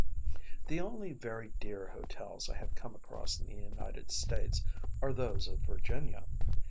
The only very dear hotels I have come across in the United States are those of Virginia.